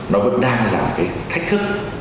nó vẫn đang là một cái thách thức